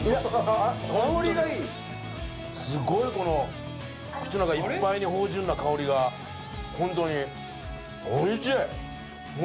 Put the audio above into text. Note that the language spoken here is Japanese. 香りがいいすごいこの口の中いっぱいに芳じゅんな香りがホントにおいしい！